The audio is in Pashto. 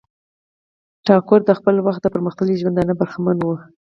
ټاګور د خپل وخت د پرمختللی ژوندانه برخمن وو.